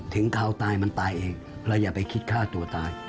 เท้าตายมันตายเองเราอย่าไปคิดฆ่าตัวตาย